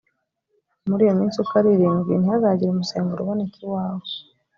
muri iyo minsi uko ari irindwi, ntihazagire umusemburo uboneka iwawe,